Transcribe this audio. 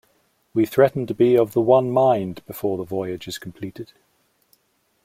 We threaten to be of the one mind before the voyage is completed.